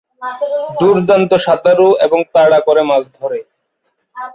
দুর্দান্ত সাঁতারু এবং তাড়া করে মাছ ধরে।